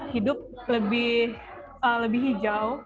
hidup lebih lebih hijau